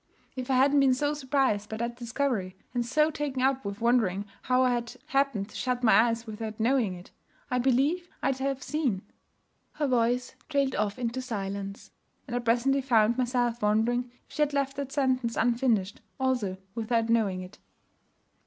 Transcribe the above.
If I hadn't been so surprised by that discovery and so taken up with wondering how I had happened to shut my eyes without knowing it, I believe I'd have seen ' Her voice trailed off into silence; and I presently found myself wondering if she had left that sentence unfinished also without knowing it.